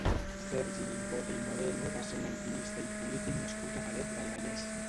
Sergi Mingote i Moreno va ser un alpinista i polític nascut a Parets del Vallès.